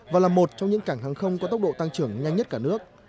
và là một trong những cảng hàng không có tốc độ tăng trưởng nhanh nhất cả nước